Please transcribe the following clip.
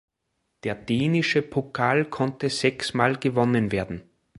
Der dänische Pokal konnte sechs Mal gewonnen werden.